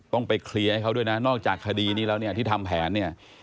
ต้องไปเคลียร์ให้เขาด้วยนะนอกจากคดีนี้แล้วเนี่ยที่ทำแผนเนี่ย